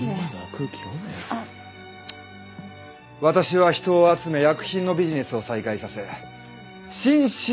私は人を集め薬品のビジネスを再開させ新・